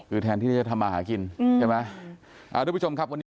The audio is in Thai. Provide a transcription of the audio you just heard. คือแทนที่จะทำมาหากินใช่ไหม